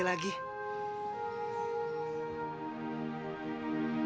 terima kasih sekali lagi